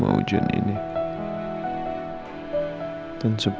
kamu makin cantik